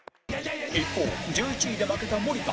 一方１１位で負けた森田